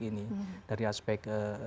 ini dari aspek